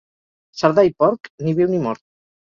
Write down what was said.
Cerdà i porc, ni viu ni mort.